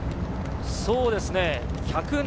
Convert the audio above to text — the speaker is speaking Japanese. そうですね。